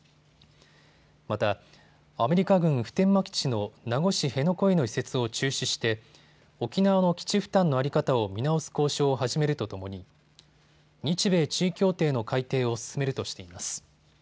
また、アメリカ軍普天間基地の名護市辺野古への移設を中止して沖縄の基地負担の在り方を見直す交渉を始めるとともに日米地位協定の改定を進めるとしています。